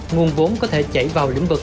nguồn vốn có thể chảy vào lĩnh vực